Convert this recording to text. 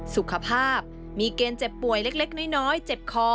สุขภาพมีเกณฑ์เจ็บป่วยเล็กน้อยเจ็บคอ